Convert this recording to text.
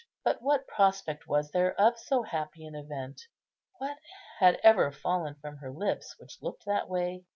But what prospect was there of so happy an event? What had ever fallen from her lips which looked that way?